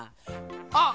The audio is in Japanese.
あっ！